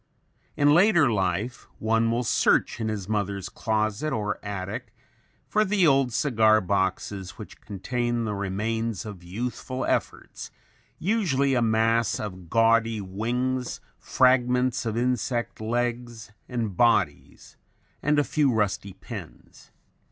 In later life one will search in his mother's closet or attic for the old cigar boxes which contain the remains of youthful efforts, usually a mass of gaudy wings, fragments of insect legs and bodies and a few rusty pins.